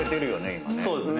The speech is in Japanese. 今ね。